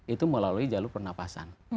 itu melalui jalur pernapasan